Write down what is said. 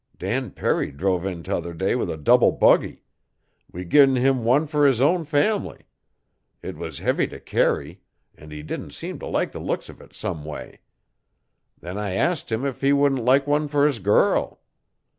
Dan Perry druv in t'other day with a double buggy. We gin him one fer his own fam'ly. It was heavy t'carry an' he didn't seem t' like the looks uv it someway. Then I asked him if he wouldn't like one fer his girl.